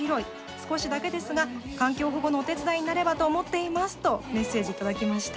少しだけですが、環境保護のお手伝いになればと思っていますとメッセージいただきました。